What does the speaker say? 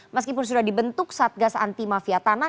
meskipun sudah dibentuk satgas anti mafia tanah